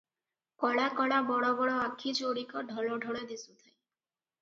କଳା କଳା ବଡ଼ବଡ଼ ଆଖି ଯୋଡ଼ିକ ଢଳ ଢଳ ଦିଶୁଥାଏ ।